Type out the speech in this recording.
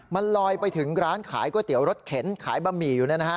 มันลอยไปถึงร้านขายก๋วยเตี๋ยวรถเข็นขายบะหมี่อยู่